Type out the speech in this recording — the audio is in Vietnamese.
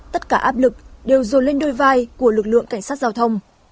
tất cả áp lực đều dồn lên đôi vai của lực lượng cảnh sát giao thông